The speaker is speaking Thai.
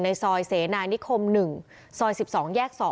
ซอยเสนานิคม๑ซอย๑๒แยก๒